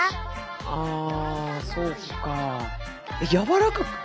あそうか。